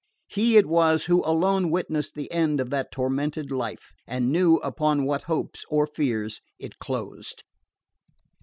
He it was who alone witnessed the end of that tormented life, and knew upon what hopes or fears it closed.